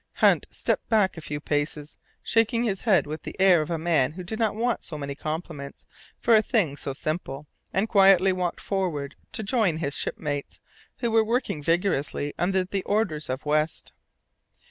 Hunt stepped back a few paces, shaking his head with the air of a man who did not want so many compliments for a thing so simple, and quietly walked forward to join his shipmates, who were working vigorously under the orders of West.